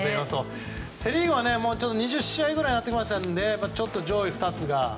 セリーグは２０試合ぐらいになってきましたのでちょっと上位２つが。